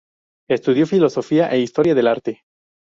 Estudió Filosofía e Historia del Arte.